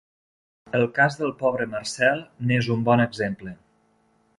El cas del pobre Marcel n'és un bon exemple.